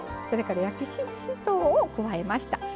それから焼きししとうを加えました。